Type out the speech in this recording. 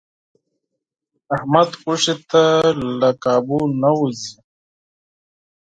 احمد غوښې ته له کابو نه و ځي.